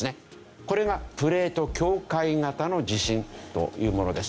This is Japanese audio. これがプレート境界型の地震というものです。